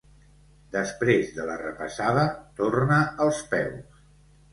Després de la repassada torna als peus.